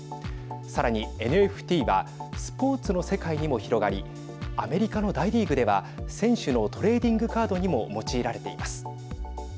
さらにＮＦＴはスポーツの世界にも広がりアメリカの大リーグでは選手のトレーディングカードにも用いられています。